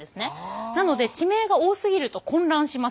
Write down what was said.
なので地名が多すぎると混乱します。